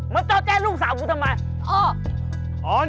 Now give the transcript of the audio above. มาเจาะแจ้นลูกศาวกูทำไม